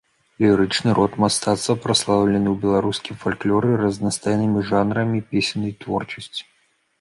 Лірычны род мастацтва прадстаўлены ў беларускім фальклоры разнастайнымі жанрамі песеннай творчасці.